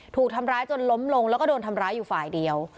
ถูกทำร้ายจนล้มลงแล้วก็โดนทำร้ายอยู่ฝ่ายเดียว